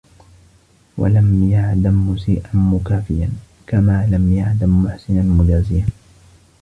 وَلَمْ يَعْدَمْ مُسِيئًا مُكَافِيًا كَمَا لَمْ يَعْدَمْ مُحْسِنًا مُجَازِيًا